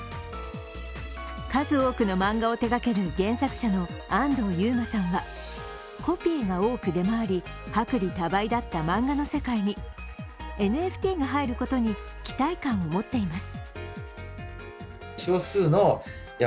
数多くの漫画を手がける原作者の安童夕馬さんはコピーが多く出回り、薄利多売だった漫画の世界にＮＦＴが入ることに期待感を持っています。